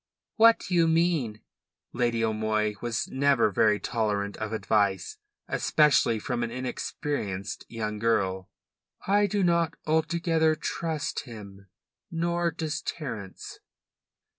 "What do you mean?" Lady O'Moy was never very tolerant of advice, especially from an inexperienced young girl. "I do not altogether trust him. Nor does Terence."